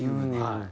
はい。